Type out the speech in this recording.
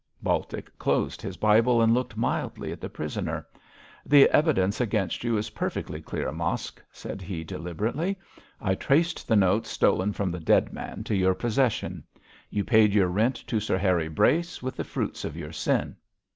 Baltic closed his Bible, and looked mildly at the prisoner. 'The evidence against you is perfectly clear, Mosk,' said he, deliberately. 'I traced the notes stolen from the dead man to your possession. You paid your rent to Sir Harry Brace with the fruits of your sin.'